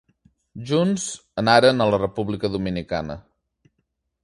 Junts anaren a la República Dominicana.